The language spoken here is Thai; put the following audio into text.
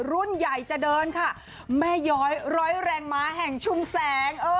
รุ่นใหญ่จะเดินค่ะแม่ย้อยร้อยแรงม้าแห่งชุมแสง